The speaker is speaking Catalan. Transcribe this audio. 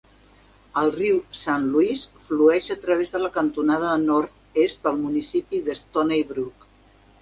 El riu Saint Louis flueix a través de la cantonada nord-est del municipi de Stoney Brook.